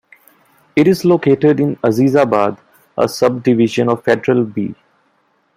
It is located in Azizabad, a sub-division of Federal B.